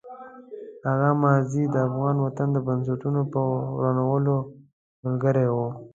هغه ماضي د افغان وطن د بنسټونو په ورانولو ملګرې وه.